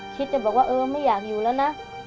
คิดจะบอกว่าเออไม่อยากอยู่แล้วนะ